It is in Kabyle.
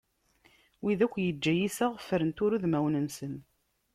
Wid akk yeǧǧa yiseɣ, ffren tura udmawen-nsen.